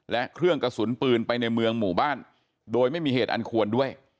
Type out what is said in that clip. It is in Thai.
และเครื่องกระสุนปืนไปในเมืองหมู่บ้านโดยไม่มีเหตุอันควรด้วย